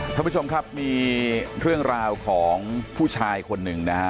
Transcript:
ท่านผู้ชมครับมีเรื่องราวของผู้ชายคนหนึ่งนะฮะ